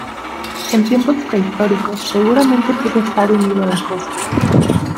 En tiempos prehistóricos seguramente pudo estar unido a la costa.